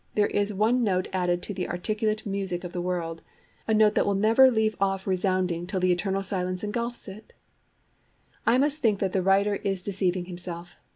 there is one note added to the articulate music of the world—a note that never will leave off resounding till the eternal silence itself gulfs it'? I must think that the writer is deceiving himself.